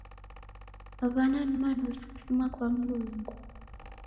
W'ana ni manosi kufuma kwa Mlungu.